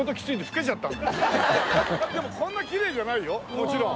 もちろん。